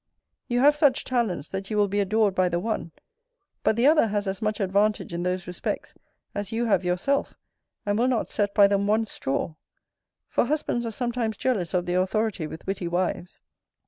You have such talents that you will be adored by the one: but the other has as much advantage in those respects, as you have yourself, and will not set by them one straw: for husbands are sometimes jealous of their authority with witty wives.